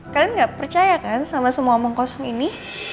kalian gak percaya kan sama semua omong kosong ini